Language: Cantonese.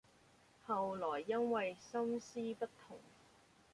後來因爲心思不同，